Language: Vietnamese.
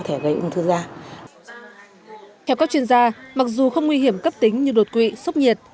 theo các chuyên gia mặc dù không nguy hiểm cấp tính như đột quỵ sốc nhiệt